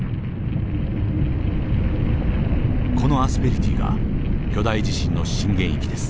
このアスペリティが巨大地震の震源域です。